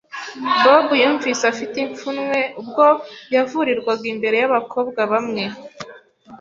Bob yumvise afite ipfunwe ubwo yavurirwaga imbere y’abakobwa bamwe.